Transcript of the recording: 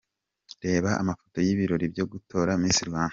Reba amafoto y’ibirori byo gutora Miss Rwanda.